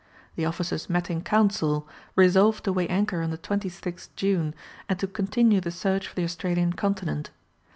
The officers met in council, resolved to weigh anchor on the 26th June, and to continue the search for the Australian continent.